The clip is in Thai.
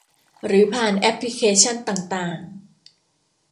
หรือผ่านแอปพลิเคชันต่างต่าง